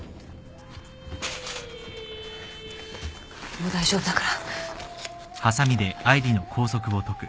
もう大丈夫だから。